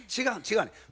違う違う。